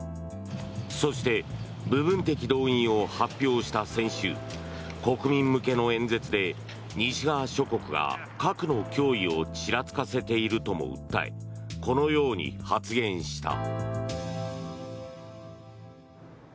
そして部分的動員を発表した先週国民向けの演説で西側諸国が核の脅威をちらつかせているとも訴えこのように発言した。